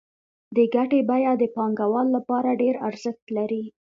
د ګټې بیه د پانګوال لپاره ډېر ارزښت لري